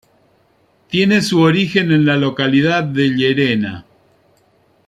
Tiene su origen en la localidad de Llerena.